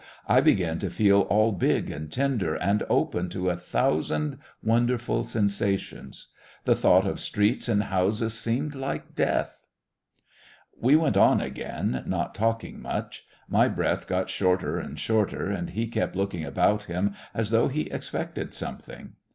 I began to feel all big and tender and open to a thousand wonderful sensations. The thought of streets and houses seemed like death.... We went on again, not talking much; my breath got shorter and shorter, and he kept looking about him as though he expected something.